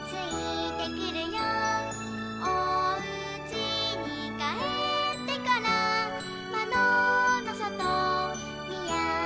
「おうちにかえってからまどのそとみあげてみよう」